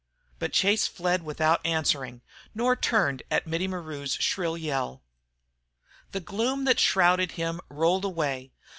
But Chase fled without answering, nor turned at Mittie Maru's shrill yell. The gloom that shrouded him rolled away.